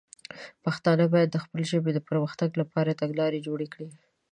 پښتانه باید د خپلې ژبې د پر مختګ لپاره تګلاره جوړه کړي.